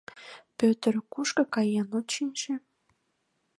Пӧтыр кушко каен, от шинче?